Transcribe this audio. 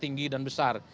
tinggi dan besar